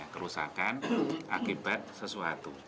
kerusakan akibat sesuatu